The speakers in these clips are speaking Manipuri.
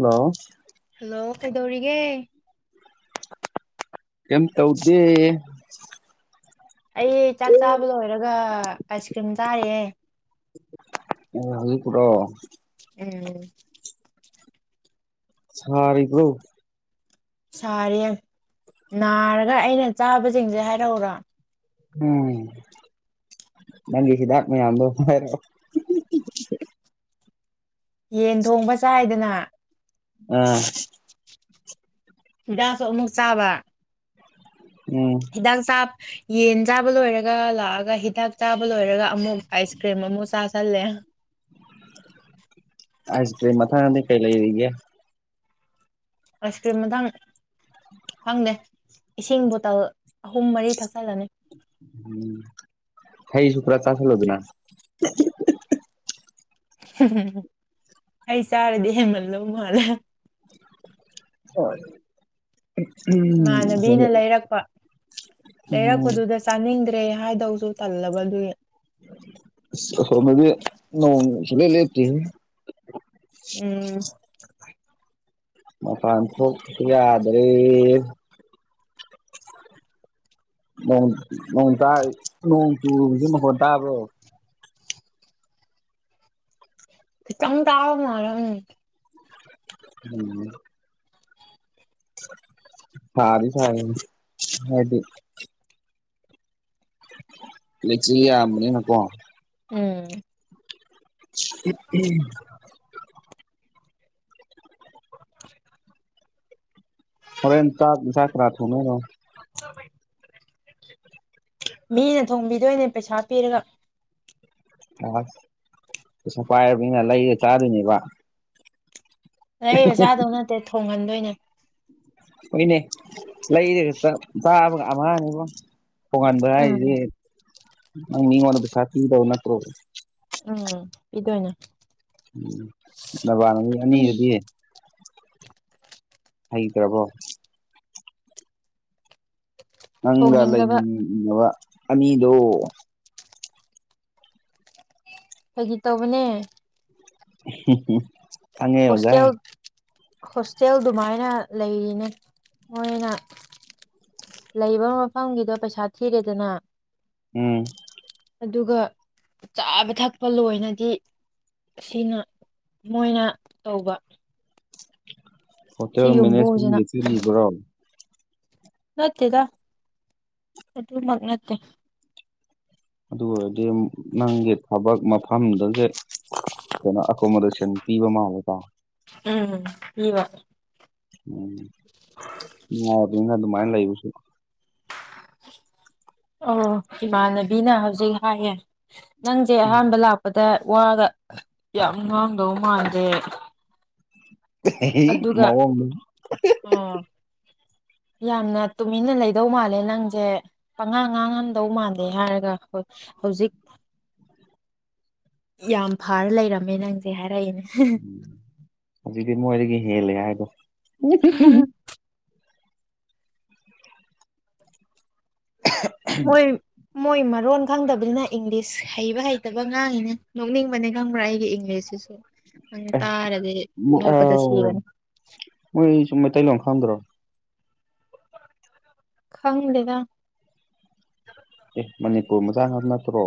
ꯍꯜꯂꯣ ꯍꯜꯂꯣ ꯀꯩꯗꯧꯔꯤꯒꯦ ꯀꯦꯝ ꯇꯧꯗꯦ ꯑꯩ ꯆꯥꯛ ꯆꯥꯕ ꯂꯣꯏꯔꯒ ꯑꯥꯏꯁ ꯀ꯭ꯔꯤꯝ ꯆꯥꯔꯤꯌꯦ ꯑꯣ ꯍꯧꯖꯤꯛꯄꯨꯔꯣ ꯎꯝ ꯁꯥꯔꯤꯕ꯭ꯔꯣ ꯁꯥꯔꯤ ꯅꯥꯔꯒ ꯑꯩꯅ ꯆꯥꯕꯁꯤꯡꯁꯦ ꯍꯥꯏꯔꯛꯎꯔꯥ ꯎꯝ ꯅꯪꯒꯤ ꯍꯤꯗꯥꯛ ꯃꯌꯥꯝꯗꯣ ꯍꯥꯢꯔꯛꯑꯣ ꯌꯦꯟ ꯊꯣꯡꯕ ꯆꯥꯏꯗꯅ ꯑꯥ ꯍꯤꯗꯥꯛꯁꯨ ꯑꯃꯨꯛ ꯆꯥꯕ ꯎꯝ ꯍꯤꯗꯥꯛ ꯆꯕꯥ ꯌꯦꯟ ꯆꯥꯕ ꯂꯣꯏꯔꯒ ꯂꯥꯛꯑꯒ ꯍꯤꯗꯥꯛ ꯆꯥꯕ ꯂꯣꯏꯔꯒ ꯑꯃꯨꯛ ꯑꯥꯏꯁ ꯀ꯭ꯔꯤꯝ ꯑꯃꯨꯛ ꯆꯥꯥꯁꯜꯂꯦ ꯑꯥꯢꯁ ꯀ꯭ꯔꯤꯝ ꯃꯊꯥꯡꯗꯤ ꯀꯩ ꯂꯩꯔꯤꯒꯦ ꯑꯥꯏꯁ ꯀ꯭ꯔꯤꯝ ꯃꯊꯪ ꯈꯪꯗꯦ ꯏꯁꯤꯡ ꯕꯣꯇꯜ ꯑꯍꯨꯝ ꯃꯔꯤ ꯊꯛꯆꯜꯂꯅꯤ ꯎꯝ ꯍꯩꯁꯨ ꯄꯨꯔꯥ ꯆꯥꯁꯤꯜꯂꯣꯗꯅ ꯍꯩ ꯆꯥꯔꯗꯤ ꯍꯦꯟꯃꯜꯂꯧ ꯃꯥꯜꯂꯦ ꯍꯣꯏ [unintelligible] ꯏꯃꯥꯟꯅꯕꯤꯅ ꯂꯩꯔꯛꯄ ꯂꯩꯔꯛꯄꯗꯨꯗ ꯆꯥꯅꯤꯡꯗ꯭ꯔꯦ ꯍꯥꯏꯗꯧꯁꯨ ꯇꯜꯂꯕ ꯑꯗꯨꯏꯒꯤ ꯑꯁ ꯑꯈꯣꯏꯔꯣꯝꯗꯗꯤ ꯅꯣꯡ ꯁꯨꯡꯂꯦꯞ ꯂꯦꯞꯇ꯭ꯔꯦꯍꯦ ꯎꯝ ꯃꯄꯥꯟ ꯊꯣꯛꯄꯁꯨ ꯌꯥꯗꯔꯦ ꯅꯣꯡ ꯅꯣꯡ ꯇꯥꯏ ꯅꯣꯡ ꯆꯨꯕꯁꯤ ꯃꯈꯣꯟ ꯇꯥꯕ꯭ꯔꯣ ꯈꯤꯇꯪ ꯇꯥꯕ ꯃꯥꯜꯂꯦ ꯎꯝ ꯎꯝ ꯁꯥꯗꯤ ꯁꯥꯏ ꯍꯥꯏꯗꯤ ꯂꯩꯆꯤꯟ ꯌꯥꯝꯕꯅꯤꯅꯀꯣ ꯎꯝ [unintelligible] [inaudible] ꯍꯣꯔꯦꯟ ꯆꯥꯛ ꯏꯟꯖꯥꯡ ꯀꯅꯥꯅ ꯊꯣꯡꯗꯣꯏꯅꯣ ꯃꯤꯅ ꯊꯣꯡꯕꯤꯗꯣꯏꯅꯦ ꯄꯩꯁꯥ ꯄꯤꯔꯒ ꯑꯁ ꯄꯩꯁꯥ ꯄꯥꯏꯕꯅꯤꯅ ꯂꯩꯔ ꯆꯥꯗꯣꯏꯅꯦꯕ ꯂꯩꯔ ꯆꯥꯗꯧ ꯅꯠꯇꯦ ꯊꯣꯡꯍꯟꯗꯣꯏꯅꯦ ꯍꯣꯏꯅꯦ ꯂꯩꯔꯒ ꯆꯥ ꯆꯥꯕꯒ ꯑꯃꯍꯥꯅꯤꯀꯣ ꯊꯣꯡꯍꯟꯕ ꯎꯝ ꯍꯥꯏꯁꯦ ꯅꯪ ꯃꯤꯉꯣꯟꯗ ꯄꯩꯁꯥ ꯄꯤꯗꯧ ꯅꯠꯇ꯭ꯔꯣ ꯎꯝ ꯄꯤꯗꯣꯏꯅꯦ ꯎꯝ ꯅꯕꯥꯟꯅꯕꯤ ꯑꯅꯤꯗꯨꯗꯤ ꯍꯩꯇ꯭ꯔꯕꯣ ꯅꯪꯒ ꯊꯣꯡꯅꯤꯡꯗꯕ ꯂꯩꯃꯤꯟꯅꯕ ꯑꯅꯤꯗꯣ ꯐꯥꯒꯤ ꯇꯧꯕꯅꯦ [unintelligible] ꯑꯣꯖꯥ ꯍꯣꯁꯇꯦꯜ ꯍꯣꯁꯇꯦꯜ ꯗꯨꯃꯥꯏꯅ ꯂꯩꯔꯤꯅꯦ ꯃꯣꯏꯅ ꯂꯩꯕ ꯃꯐꯝꯒꯤꯗꯣ ꯄꯩꯁꯥ ꯊꯤꯔꯦꯗꯅ ꯎꯝ ꯑꯗꯨꯒ ꯆꯥꯕ ꯊꯛꯄ ꯂꯣꯏꯅꯗꯤ ꯁꯤꯅ ꯃꯣꯏꯅ ꯇꯧꯕ ꯁꯤ ꯍꯣꯇꯦꯜ ꯌꯨꯝꯕꯨꯁꯤꯅ ꯃꯦꯅꯦꯖꯃꯦꯟꯒꯤ ꯆꯤꯠꯂꯤꯕꯔꯣ ꯅꯠꯇꯦꯗ ꯑꯗꯨꯃꯛ ꯅꯠꯇꯦ ꯑꯗꯨ ꯑꯣꯏꯔꯗꯤ ꯅꯪꯒꯤ ꯊꯕꯛ ꯃꯐꯝꯗꯨꯗꯩ ꯀꯩꯅꯣ ꯑꯥꯀꯥꯃꯣꯗꯦꯁꯟ ꯄꯤꯕ ꯃꯥꯜꯂꯦꯀꯣ ꯎꯝ ꯄꯤꯕ ꯎꯝ ꯅꯨꯡꯉꯥꯏꯕꯅꯦ ꯑꯗꯨꯃꯥꯏꯅ ꯂꯩꯕꯁꯦ ꯑꯣ ꯏꯃꯥꯟꯅꯕꯤꯅ ꯍꯧꯖꯤꯛ ꯍꯥꯏꯌꯦ ꯅꯪꯁꯦ ꯑꯍꯥꯟꯕ ꯂꯥꯛꯄꯗ ꯇꯥ ꯋꯥꯒ ꯌꯥꯝ ꯉꯥꯡꯗꯧ ꯃꯥꯟꯗꯦ ꯃꯑꯣꯡꯗꯣ ꯑꯥ ꯌꯥꯝꯅ ꯇꯨꯃꯤꯟꯅ ꯂꯩꯗꯧ ꯃꯥꯜꯂꯦ ꯅꯪꯁꯦ ꯄꯉꯥꯡ ꯉꯥꯡꯉꯝꯗꯧ ꯃꯥꯜꯂꯦ ꯍꯥꯏꯔꯒ [inaudible] ꯍꯧꯖꯤꯛ [inaudible] ꯌꯥꯝ ꯐꯔ ꯂꯩꯔꯝꯃꯦ ꯅꯪꯁꯦ ꯍꯥꯏꯔꯛꯏꯅꯦ꯫ ꯍꯧꯖꯤꯛꯗꯤ ꯃꯣꯏꯗꯒꯤ ꯍꯦꯜꯂꯦ ꯍꯥꯏꯒꯣ꯫ ꯃꯣꯏ ꯃꯣꯏ ꯃꯔꯣꯟ ꯈꯪꯗꯕꯅꯤꯅ ꯏꯪꯂꯤꯁ ꯍꯩꯕ ꯍꯩꯇꯕ ꯉꯥꯡꯉꯤꯅꯦ ꯅꯣꯛꯅꯤꯡꯕꯅꯦ ꯈꯪꯕ꯭ꯔꯥ ꯑꯩꯒꯤ ꯏꯪꯂꯤꯁꯁꯤꯁꯨ꯫ ꯅꯪ ꯇꯥꯔꯗꯤ ꯅꯣꯛꯄꯗ ꯑꯥꯎ ꯁꯤꯔꯅꯤ꯫ ꯃꯣꯏꯁꯨ ꯃꯩꯇꯩꯂꯣꯟ ꯈꯪꯗ꯭ꯔꯣ꯫ ꯈꯪꯗꯦꯗ꯫ ꯑꯦ ꯃꯅꯤꯄꯨꯔ ꯃꯆꯥꯉꯥꯛ ꯅꯠꯇ꯭ꯔꯣ꯫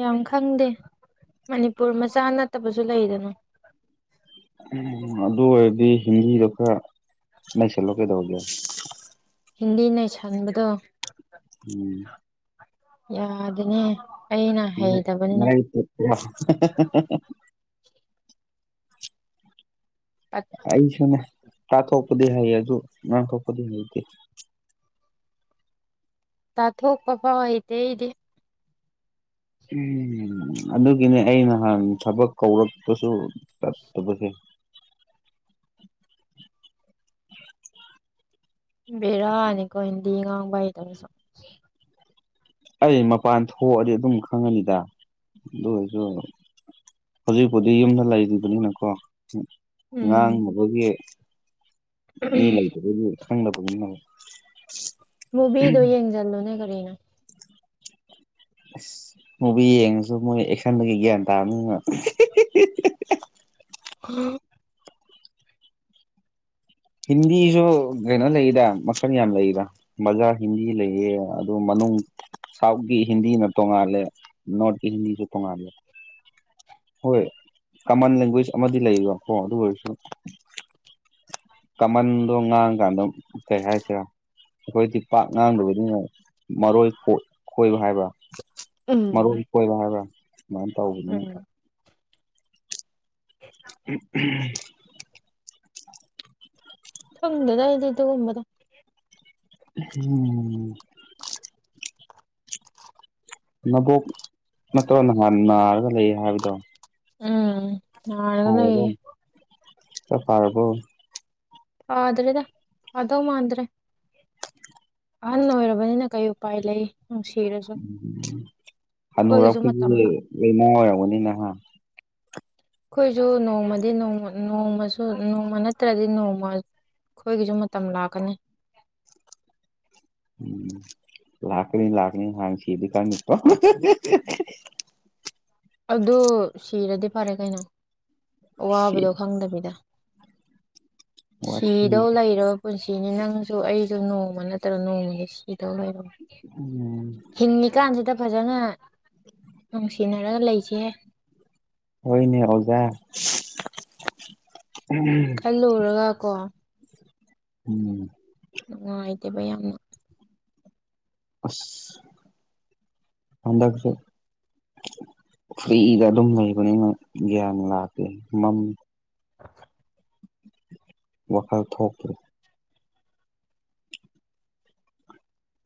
ꯌꯥꯝ ꯈꯪꯗꯦ ꯃꯅꯤꯄꯨꯔ ꯃꯆꯥ ꯅꯠꯇꯕꯁꯨ ꯂꯩꯗꯅ꯫ ꯎꯪ ꯑꯗꯨ ꯑꯣꯏꯔꯗꯤ ꯍꯤꯟꯗꯤꯗꯣ ꯈꯔ ꯅꯩꯁꯜꯂꯣ ꯀꯩꯗꯧꯒꯦ꯫ ꯍꯤꯟꯗꯤ ꯅꯩꯁꯟꯕꯗꯣ ꯎꯝ꯫ ꯌꯥꯗꯦꯅꯦ꯫ ꯑꯩꯅ ꯍꯩꯇꯕꯅꯤꯅ [inaudible] ꯑꯩꯁꯨꯅꯦ ꯇꯥꯊꯣꯄꯗꯤ ꯍꯩ ꯑꯗꯨ ꯉꯥꯡꯊꯣꯄꯗꯤ ꯍꯩꯇꯦ꯫ ꯇꯥꯊꯣꯛꯄ ꯐꯥꯎ ꯍꯩꯇꯦ ꯑꯩꯗꯤ꯫ ꯎꯝ ꯑꯗꯨꯒꯤꯅꯦ ꯑꯩ ꯅꯍꯥꯟ ꯊꯕꯛ ꯀꯧꯔꯛꯄꯁꯨ ꯆꯠꯇꯕꯁꯦ꯫ ꯕꯦꯔꯥꯅꯤꯀꯣ ꯍꯤꯟꯗꯤ ꯉꯥꯡꯕ ꯍꯩꯇꯕꯁꯨ꯫ ꯑꯩ ꯃꯄꯥꯟ ꯊꯣꯛꯑꯗꯤ ꯑꯗꯨꯝ ꯈꯪꯉꯅꯤꯗ ꯑꯗꯨ ꯑꯣꯏꯔꯁꯨ ꯍꯧꯖꯤꯛꯄꯨꯗꯤ ꯌꯨꯝꯗ ꯂꯩꯔꯤꯕꯅꯤꯅꯀꯣ ꯎꯝ ꯉꯥꯡꯅꯕꯒꯤ ꯃꯤ ꯂꯩꯇꯕꯒꯤ ꯈꯪꯗꯕ [unintelligible] ꯃꯨꯚꯤꯗꯣ ꯌꯦꯡꯖꯜꯂꯣꯅꯦ ꯀꯔꯤꯅꯣ꯫ ꯑꯁ ꯃꯨꯚꯤ ꯌꯦꯡꯉꯁꯨ ꯃꯣꯏ ꯑꯦꯛꯁꯟꯗꯒꯤ ꯒ꯭ꯌꯥꯟ ꯇꯥꯕꯅꯤꯅ꯫ ꯍ꯫ ꯍꯤꯟꯗꯤꯁꯨ ꯀꯩꯅꯣ ꯂꯩꯗ ꯃꯈꯜ ꯌꯥꯝ ꯂꯩꯗ꯫ ꯃꯖꯥ ꯍꯤꯟꯗꯤ ꯂꯩꯌꯦ ꯑꯗꯨ ꯃꯅꯨꯡ ꯁꯥꯎꯠꯀꯤ ꯍꯤꯟꯗꯤꯅ ꯇꯣꯡꯉꯥꯜꯂꯦ ꯅꯣꯔꯠꯀꯤ ꯍꯤꯟꯗꯤꯁꯨ ꯇꯣꯡꯉꯥꯜꯂꯦ꯫ ꯍꯣꯏ ꯀꯃꯟ ꯂꯦꯡꯒ꯭ꯋꯦꯖ ꯑꯃꯗꯤ ꯂꯩꯌꯦꯕ ꯀꯣ ꯑꯗꯨ ꯑꯣꯏꯔꯁꯨ꯫ ꯀꯃꯟꯗꯣ ꯉꯥꯡꯀꯥꯟꯗ ꯀꯩ ꯍꯥꯏꯁꯦꯔ ꯑꯩꯈꯣꯏꯗꯤ ꯄꯥꯛ ꯉꯥꯡꯗꯕꯅꯤꯅꯦ ꯃꯔꯣꯏ ꯈꯣꯏ-ꯈꯣꯏꯕ ꯍꯥꯏꯕ꯭ꯔ꯫ ꯃꯔꯣꯟ ꯎꯝ ꯀꯣꯏꯕ ꯍꯥꯏꯔ ꯁꯨꯃꯥꯏꯅ ꯇꯧꯕꯅꯤꯅ꯫ ꯎꯝ [unintelligible] ꯈꯪꯗꯦꯗ ꯑꯩꯗꯤ ꯑꯗꯨꯒꯨꯝꯕꯗꯣ꯫ [unintelligible] ꯎꯍꯨꯝ꯫ [inaudible] ꯅꯕꯣꯛ ꯅꯠꯇ꯭ꯔꯣ ꯅꯍꯥꯟ ꯅꯥꯔꯒ ꯂꯩ ꯍꯥꯏꯕꯗꯣ꯫ ꯎꯝ ꯅꯥꯔꯒ ꯐꯔꯕꯣ ꯂꯩꯌꯦ꯫ ꯈꯔ ꯐꯔꯕꯣ꯫ ꯐꯗ꯭ꯔꯤꯗ ꯐꯗꯧ ꯃꯥꯥꯟꯗ꯭ꯔꯦ꯫ ꯑꯍꯟ ꯑꯣꯏꯔꯕꯅꯤꯅ ꯀꯩ ꯎꯄꯥꯏ ꯂꯩ ꯅꯨꯡꯁꯤꯔ ꯎ ꯍꯅꯨꯔꯛꯄꯒꯤ ꯃꯇꯝ ꯂꯥꯛ ꯂꯩꯅꯥ ꯑꯣꯏꯔꯝꯒꯅꯤꯅ ꯍꯥ꯫ ꯑꯩꯈꯣꯏꯁꯨ ꯅꯣꯡꯃꯗꯤꯃ ꯅꯣꯡꯃꯁꯨ ꯅꯣꯡꯃ ꯅꯠꯇ꯭ꯔꯗꯤ ꯅꯣꯡꯃ ꯑꯩꯈꯣꯏꯒꯤꯁꯨ ꯃꯇꯝ ꯂꯥꯛꯀꯅꯤ ꯎꯝ ꯂꯥꯥꯛꯀꯅꯤ ꯂꯥꯛꯀꯅꯤ ꯍꯥꯅꯥ ꯁꯤꯔꯥꯗꯤ ꯈꯡꯗꯦꯀꯣ ꯑꯗꯨ ꯁꯤꯔꯗꯤ ꯐꯔꯦ ꯀꯩꯅꯣ ꯑꯋꯥꯕꯗꯣ ꯈꯪꯗꯕꯤꯗ ꯋꯥꯊꯤ ꯁꯤꯗꯧ ꯂꯩꯔ ꯄꯨꯟꯁꯤꯅꯤ ꯅꯪꯁꯨ ꯑꯩꯁꯨ ꯅꯣꯡꯃ ꯅꯠꯇ꯭ꯔ ꯅꯣꯡꯃꯗꯤ ꯁꯤꯗꯧ ꯂꯩꯔꯝ ꯎꯝ ꯍꯤꯡꯉꯤꯀꯥꯟꯁꯤꯗ ꯐꯖꯅ ꯅꯨꯡꯁꯤꯅꯔꯒ ꯂꯩꯁꯦ ꯍꯣꯏꯅꯦ ꯑꯣꯖꯥ ꯈꯜꯂꯨꯔꯒ ꯀꯣ꯫ ꯎꯝ꯫ ꯅꯨꯡꯉꯥꯏꯇꯦꯕ ꯌꯥꯝꯅ꯫ ꯑꯁ ꯍꯟꯗꯛꯁ‌ꯦ꯫ ꯐ꯭ꯔꯤꯗ ꯑꯗꯨꯝ ꯂꯩꯕꯅꯤꯅ ꯒ꯭ꯌꯥꯟ ꯂꯥꯛꯀꯦ ꯃꯝꯃꯤ꯫ ꯫ [unintelligible] ꯋꯥꯈꯜ ꯊꯣꯛꯇ꯭ꯔ‌ꯦ꯫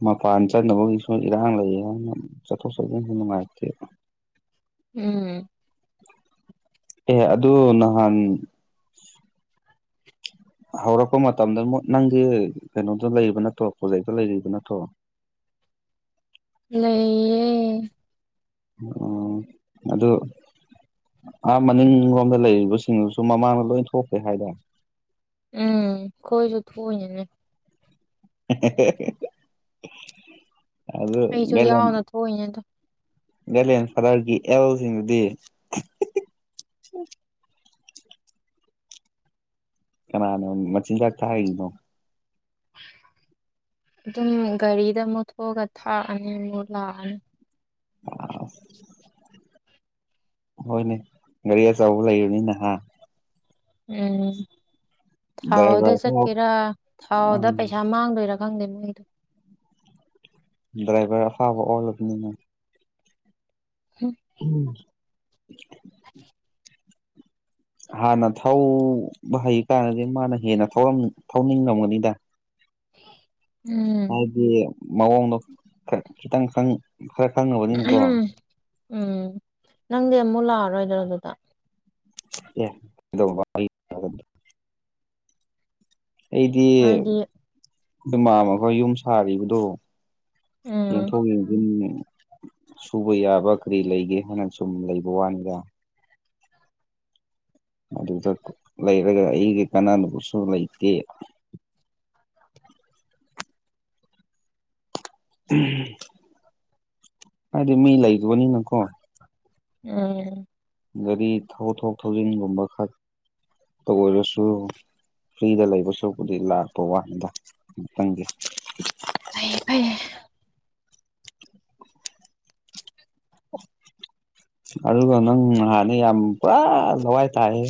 ꯃꯄꯥꯟ ꯆꯠꯅꯕꯒꯤꯁꯨ ꯏꯔꯥꯡ ꯂꯩꯌꯦ ꯍꯥꯏꯅ ꯆꯠꯊꯣꯛ ꯆꯠꯁꯤꯟꯁꯨ ꯅꯨꯡꯉꯥꯏꯇꯦ꯫ ꯎꯝ꯫ ꯑꯦ ꯑꯗꯨ ꯅꯍꯥꯟ꯫ ꯍꯧꯔꯛꯄ ꯃꯇꯝꯗ ꯅꯪꯒꯤ ꯀꯩꯅꯣꯗꯣ ꯂꯩꯔꯤꯕ ꯅꯠꯇ꯭ꯔꯣ ꯀꫭꯂꯦꯖꯇꯥ ꯂꯩꯔꯤꯕ ꯅꯠꯇ꯭ꯔꯣ꯫ ꯂꯩꯌ‌ꯦ꯫ ꯑꯣ ꯑꯗꯣ꯫ ꯑꯥ ꯃꯅꯤꯡꯂꯣꯝꯗ ꯂꯩꯔꯤꯕꯁꯤꯡꯗꯨꯁꯨ ꯃꯃꯥꯡꯗ ꯂꯣꯏ ꯊꯣꯛꯈꯦ ꯍꯥꯏꯕꯥ꯫ ꯎꯝ ꯈꫭꯏꯁꯨ ꯊꫭꯛꯏꯅꯤꯅꯦ ꯑꯗꯨ ꯑꯩꯁꯨ ꯒꯅ ꯌꯥꯎꯅ [unintelligible] ꯊꯣꯛꯏꯅꯦꯗꯣ [unintelligible] ꯑꯦꯜꯁꯤꯡꯗꯤ꯫ ꯀꯅꯥꯅꯣ ꯃꯆꯤꯟꯖꯥꯛ ꯊꯥꯛꯏꯅꯣ꯫ ꯑꯗꯨꯝ ꯒꯥꯔꯤꯗ ꯑꯃꯨꯛ ꯊꫭꯛꯑꯒ ꯊꯥꯛꯑꯅꯤ ꯑꯃꯨꯛ ꯂꯥꯛꯑꯅꯤ꯫ ꯑꯥꯁ꯫ ꯍꯣꯏꯅꯦ ꯒꯥꯔꯤ ꯑꯆꯧꯕ ꯂꯩꯕꯅꯤꯅ ꯍꯥ꯫ ꯎꯝ ꯊꯥꯎꯗ ꯗ꯭ꯔꯥꯏꯚꯔ ꯆꯠꯀꯦꯔꯥ ꯊꯥꯎꯗ ꯎꯝ ꯄꯩꯁꯥ ꯃꯥꯡꯗꯣꯏꯔ꯫ ꯍꯪꯗꯦ ꯃꯤꯅ꯫ ꯗ꯭ꯔꯥꯏꯚꯔ ꯑꯐꯥꯕ ꯑꯣꯜꯂꯕꯅꯤꯅ꯫ ꯍꯨꯝ꯫ ꯫ [unintelligible] ꯫ [unintelligible] ꯍꯥꯟꯅ ꯊꯧꯕ ꯍꯩꯇꯥꯔꯗꯤꯗꯤ ꯃꯥꯅ ꯍꯦꯟꯅ ꯊꯧꯅꯤꯡꯉꯝꯒꯅꯤꯗ꯫ ꯎꯝ꯫ ꯍꯥꯏꯗꯤ ꯃꯑꯣꯡꯗꯣ ꯈꯤꯇꯪ ꯈꯔ ꯈꯪꯉꯕꯅꯤꯅꯀꯣ꯫ ꯎꯝ ꯅꯪꯗꯤ ꯑꯃꯨꯛ ꯂꯥꯛꯑꯔꯣꯏꯗ꯭ꯔꯣ ꯑꯗꯨꯗ꯫ ꯑꯦ ꯀꯩꯗꯧꯕ꯫ ꯑꯩꯗꯤ ꯍꯥꯏꯗꯤ ꯈꫭꯏ ꯃꯃꯥ ꯍꫭꯏ ꯌꯨꯝ ꯁꯥꯔꯤꯕꯗꯣ꯫ ꯎꯝ ꯌꯦꯡꯊꯣꯡ ꯌ‌ꯦꯡꯖꯤꯟ꯫ ꯁꯨꯕ ꯌꯥꯕ ꯀꯔꯤ ꯂꯩꯒꯦ ꯍꯥꯏꯅ ꯁꯨꯝ ꯂꯩꯕ ꯋꯥꯅꯤꯗ꯫ ꯑꯗꯨꯗ ꯂꯩꯔꯒ ꯑꯩꯒꯤ ꯀꯥꯟꯅꯥꯅꯕꯁꯨ ꯂꯩꯇꯦ꯫ ꯍꯥꯏꯗꯤ ꯃꯤ ꯂꯩꯕꯅꯤꯅꯀꯣ꯫ ꯎꯝ꯫ ꯒꯥꯔꯤ ꯊꯧ ꯊꯣꯛ ꯊꯧꯖꯤꯟꯒꯨꯝꯕ ꯈꯛꯇ ꯑꯣꯏꯔꯁꯨ꯫ ꯐ꯭ꯔꯤꯗ ꯂꯩꯕꯁꯨꯕꯨꯗꯤ ꯂꯥꯛꯄ ꯋꯥꯅꯤꯗ ꯇꯪꯒꯤ꯫ ꯐꯩꯌꯦ ꯐꯩꯌꯦ꯫ ꯑꯣ꯫ ꯑꯗꯨꯒ ꯅꯪ ꯅꯍꯥꯟꯅ ꯌꯥꯝ ꯄꯨꯔꯥ ꯂꯋꯥꯏ ꯇꯥꯏꯍ‌ꯦ꯫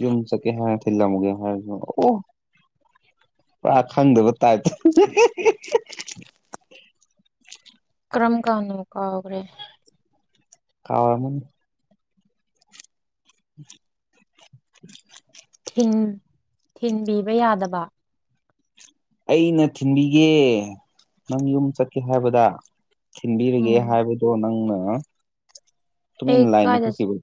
ꯌꯝ ꯆꯠꯀꯦ ꯍꯥꯏ ꯊꯤꯂꯝꯒꯦ ꯍꯥꯏꯔꯁꯨ ꯑꯣ꯫ ꯄꯨꯔꯥ ꯈꯪꯗꯕ ꯇꯥꯞꯇ꯫ ꯀ꯭ꯔꯝ ꯀꯥꯟꯅꫭ ꯀꯥꯎꯒ꯭ꯔ‌ꯦ꯫ ꯀꯥꯎꯔꯝꯃꯅꯤ꯫ [inaudible] ꯊꯤꯟ ꯊꯤꯟꯕꯤꯕ ꯌꯥꯗꯕ꯫ ꯑꯩꯅ ꯊꯤꯟꯕꯤꯒꯦ ꯅꯪ ꯌꯨꯝ ꯆꯠꯀꯦ ꯍꯥꯏꯕꯗ꯫ ꯊꯤꯟꯕꯤꯔꯒꯦ ꯎꯝ ꯍꯥꯏꯕꯗꯣ ꯅꯪꯅ ꯑꯩ ꯇꯨꯃꯤꯟꯅ ꯂꯥꯏꯟꯗ ꯀꯥꯏꯗ ꯆꯛꯈꯤꯕ꯫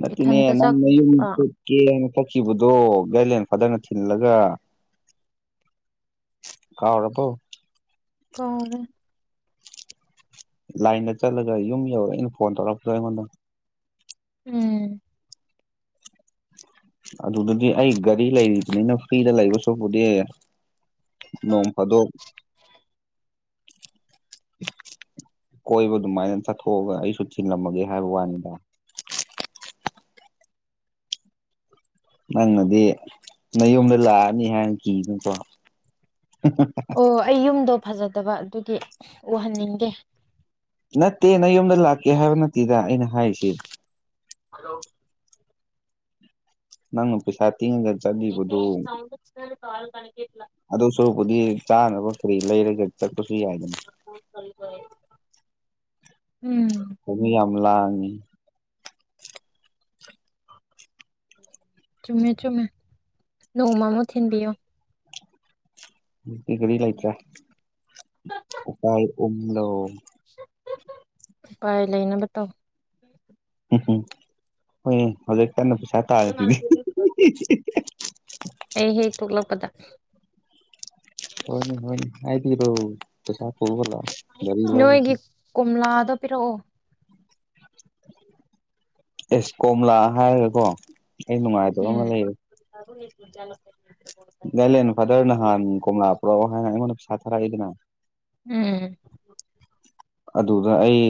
ꯅꯠꯇꯦꯅꯦ ꯏꯊꯟꯇ ꯅꯪꯅ ꯌꯨꯝ ꯆꯠꯄ ꯆꯛꯀꯦꯅ ꯆꯠꯈꯤꯕꯗꯣ ꯒꯥꯔꯤꯂꯦꯟ ꯐꯖꯅ ꯊꯤꯜꯂꯒ꯫ ꯀꯥꯎꯔꯕꯣ? ꯀꯥꯎꯔꯦ꯫ ꯂꯥꯏꯟꯗ ꯆꯠꯂꯒ ꯌꯨꯝ ꯌꯧꯔꯦꯅ ꯐꯣꯟ ꯇꯧꯔꯛꯄꯗꯣ ꯑꯩꯉꯣꯟꯗ꯫ ꯎꯝ ꯑꯗꯨꯗꯗꯤ ꯑꯩ ꯒꯥꯔꯤ ꯂꯩꯔꯤꯕꯅꯤꯅ ꯐ꯭ꯔꯤꯗ ꯂꯩꯗꯣꯏ ꯁꯔꯨꯛꯄꯨꯗꯤ ꯅꯣꯡ ꯐꯥꯗꯣꯛ [unintelligible] ꯀꯣꯏꯕ ꯑꯗꯨꯃꯥꯏꯅ ꯆꯠꯊꯣꯛꯑꯒ ꯑꯩꯁꯨ ꯊꯤꯂꯝꯃꯒꯦ ꯍꯥꯏꯕ ꯋꯥꯅꯤꯗ꯫ ꯅꯪꯅꯗꯤ ꯅꯌꯨꯝꯗ ꯂꯥꯛꯑꯅꯤ ꯍꯥꯏꯅ ꯀꯤꯕꯒꯤꯀꯣ꯫ [unintelligible] ꯑꯣ ꯑꯩ ꯌꯨꯝꯗꯣ ꯐꯖꯗꯕ ꯑꯗꯨꯒꯤ ꯎꯍꯟꯅꯤꯡꯗꯦ꯫ ꯅꯠꯇꯦ ꯅꯌꯨꯝꯗ ꯂꯥꯛꯀꯦ ꯍꯥꯏꯕ ꯅꯠꯇꯦꯗ ꯑꯩꯅ ꯍꯥꯏꯔꯤꯁꯦ꯫ ꯍꯜꯂꯣ ꯅꯪꯅ ꯄꯩꯁꯥ ꯇꯤꯡꯒ ꯆꯠ [unintelligible] ꯑꯗꯨ ꯁꯔꯨꯛꯄꯨꯗꯤ ꯆꯥꯅꯕ ꯀꯔꯤ ꯂꯩꯔꯒ ꯆꯠꯄꯁꯨ ꯌꯥꯏꯗꯅ꯫ ꯎꯝ ꯀꯩꯅꯣ ꯌꯥꯝ ꯂꯥꯡꯉꯦ꯫ ꯆꯨꯝꯃꯦ ꯆꯨꯝꯃꯦ ꯅꯣꯡꯃꯃ ꯊꯤꯟꯕꯤꯌꯣ꯫ ꯍꯧꯖꯤꯛꯇꯤ ꯒꯥꯔꯤ ꯂꯥꯏꯇ꯭ꯔꯦ ꯎꯄꯥꯏ ꯎꯝꯔꯣ꯫ ꯎꯄꯥꯏ ꯂꯩꯅꯕ ꯇꯧ꯫ ꯎꯝ ꯎꯝ ꯍꯣꯏꯅꯦ ꯍꯧꯖꯤꯛ ꯀꯟꯅ ꯄꯩꯁꯥ ꯇꯥꯜꯂꯤꯁꯤꯗꯤ ꯑꯩ ꯍꯦꯛ ꯊꯣꯛꯂꯛꯄꯗ꯫ ꯍꯣꯏ ꯍꯣꯏ ꯍꯥꯏꯕꯤꯔꯣ ꯄꯩꯁꯥ ꯄꯨꯔ ꯂꯥꯎ ꯒꯥꯔꯤ ꯂꯧꯔꯨꯁꯤ꯫ ꯅꯣꯏꯒꯤ ꯀꯣꯝꯂꯥꯗꯣ ꯄꯤꯔꯛꯑꯣ꯫ ꯑꯦꯁ ꯀꯣꯝꯂꯥ ꯍꯥꯏꯔꯒꯀꯣ ꯑꯩ ꯅꯨꯡꯉꯥꯏꯇꯕ ꯑꯃ ꯎꯝ ꯂꯩꯔꯦ ꯒꯥꯏꯂꯦꯟ ꯐꯥꯗꯔ ꯅꯍꯥꯟ ꯀꯣꯝꯂꯥꯛ ꯄꯨꯔꯛꯑꯣ ꯍꯥꯏꯅ ꯑꯩꯉꯣꯟꯗ ꯄꯩꯁꯥ ꯊꯥꯔꯛꯏꯗꯅ꯫ ꯎꯝ ꯑꯗꯨꯗ ꯑꯩ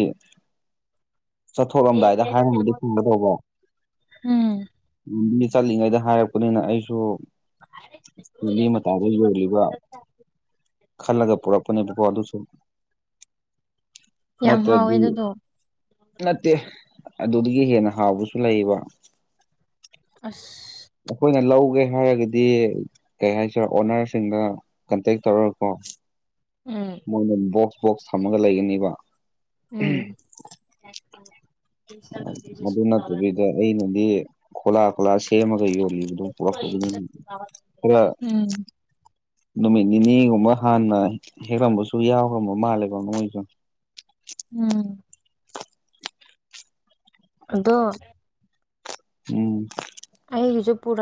ꯆꯠꯊꯣꯛꯂꯝꯗꯥꯏꯗ ꯍꯥꯏꯔꯝꯃꯗꯤ ꯐꯒꯗꯧꯕ ꯎꯝ ꯂꯝꯕꯤ ꯆꯠꯂꯤꯉꯩꯗ ꯍꯥꯏꯔꯛꯄꯅꯤꯅ ꯑꯩꯁꯨ ꯂꯝꯕꯤ ꯃꯇꯥꯏꯗ ꯌꯣꯜꯂꯤꯕ ꯈꯜꯂꯒ ꯄꯨꯔꯛꯄꯅꯦꯕꯀꯣ ꯑꯗꯨꯁꯨ ꯌꯥꯝ ꯍꯥꯎꯋꯦ ꯅꯠꯇ꯭ꯔꯗꯤ ꯑꯗꯨꯗꯣ ꯅꯠꯇꯦ ꯑꯗꯨꯗꯒꯤ ꯍꯦꯟꯅ ꯍꯥꯎꯕꯁꯨ ꯂꯩꯕ ꯑꯁ ꯑꯩꯈꯣꯏꯅ ꯂꯧꯒꯦ ꯍꯥꯏꯔꯒꯗꯤ ꯀꯩ ꯍꯥꯏꯁꯤꯔ ꯑꯣꯅꯔꯁꯤꯡꯗ ꯀꯟꯇꯦꯛ ꯇꯧꯔꯒꯀꯣ ꯎꯝ ꯃꯣꯏꯅ ꯕꯣꯛꯁ ꯕꯣꯛꯁ ꯊꯝꯃꯒ ꯂꯩꯒꯅꯤꯕ ꯎꯝ ꯑꯗꯨ ꯅꯠꯇꯕꯤꯗ ꯑꯩꯅꯗꯤ ꯈꯣꯂꯥ ꯈꯣꯂꯥ ꯁꯦꯝꯃꯒ ꯌꯣ ꯄꯨꯔꯛꯄꯅꯤꯅ ꯄꯨꯔꯥꯞ ꯎꯝ ꯅꯨꯃꯤꯠ ꯅꯤꯅꯤꯒꯨꯝꯕ ꯍꯥꯟꯅ ꯍꯦꯛꯂꯝꯕꯁꯨ ꯌꯥꯎꯔꯝꯕ ꯃꯥꯜꯂꯦꯕ ꯃꯣꯢꯁꯨ ꯎꯝ ꯑꯗꯣ ꯎꯝ ꯑꯩꯒꯤꯁꯨ ꯄꯨꯔꯛ